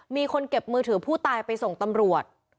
มีคนเก็บมือถือผู้ตายไปส่งตำรวจ